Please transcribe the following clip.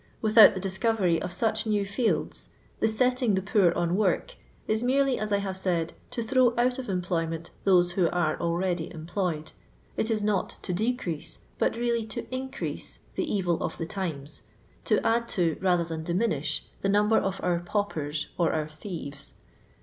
Without the dis covery of such new fields, " the setting the poor on work" is merely, as I have said, to throw out of employment those who are already employed ; it is not to decrease, but really to increase, the evil of the times — to add to, rather than diminish, the number of our paupers or our thieves.